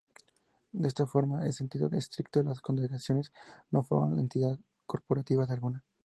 De esta forma, en sentido estricto, las condecoraciones no forman entidad corporativa alguna.